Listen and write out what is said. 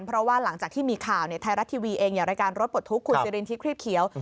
เพราะว่าหลังจากที่มีข่าวไทยรัฐทีวีเองอย่างรายการรถปลดทุกข์คุณสิรินทิครีบเขียว